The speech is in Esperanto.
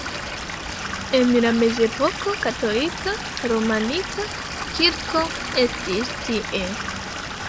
En la mezepoko katolika romanika kirko estis tie.